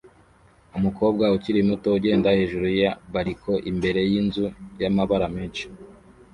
Umukobwa ukiri muto ugenda hejuru ya bariko imbere yinzu y'amabara menshi